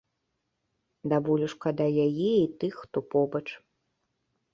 Да болю шкада яе, і тых, хто побач.